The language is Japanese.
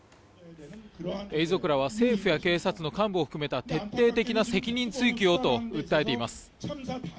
遺族らは政府や警察の幹部を含めた徹底的な責任追及をと訴えています。